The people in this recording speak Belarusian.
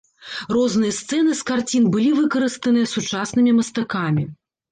Розныя сцэны з карцін былі выкарыстаныя сучаснымі мастакамі.